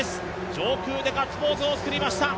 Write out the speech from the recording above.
上空でガッツポーズをつくりました。